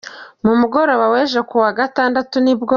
Ku mugoroba wejo kuwa gatandatu nibwo.